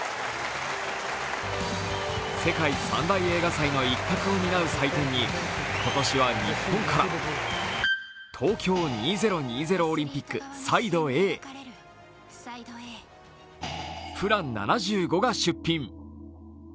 世界三大映画祭の一角を担う祭典に、今年は日本から、「東京２０２０オリンピックＳＩＤＥ：Ａ」、「ＰＬＡＮ７５」が出品。